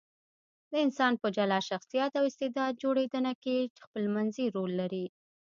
د انسان په جلا شخصیت او استعداد جوړېدنه کې خپلمنځي رول لري.